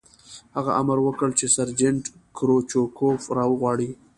هغه امر وکړ چې سرجنټ کروچکوف را وغواړئ